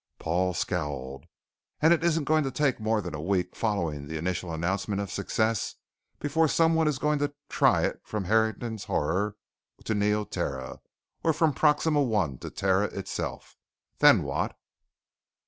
Paul scowled. "And it isn't going to take more than a week following the initial announcement of success before someone is going to try it from Harrigan's Horror to Neoterra, or from Proxima I to Terra itself. Then what